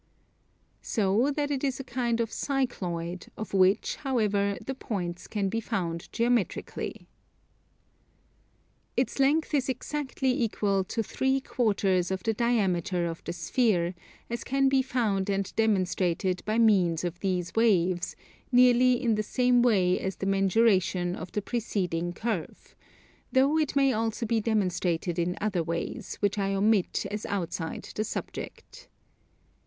So that it is a kind of Cycloid, of which, however, the points can be found geometrically. Its length is exactly equal to 3/4 of the diameter of the sphere, as can be found and demonstrated by means of these waves, nearly in the same way as the mensuration of the preceding curve; though it may also be demonstrated in other ways, which I omit as outside the subject.